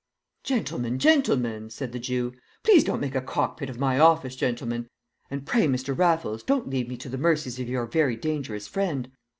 "Gentlemen, gentlemen!" said the Jew. "Please don't make a cockpit of my office, gentlemen; and pray, Mr. Raffles, don't leave me to the mercies of your very dangerous friend."